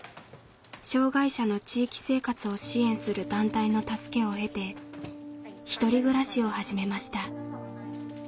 障害者の地域生活を支援する団体の助けを得て１人暮らしを始めました。